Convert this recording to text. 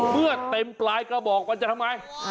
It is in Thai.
เมื่อเต็มปลายกระบอกมันจะทำไม